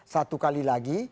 satu kali lagi